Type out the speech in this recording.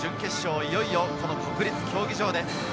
いよいよ国立競技場です。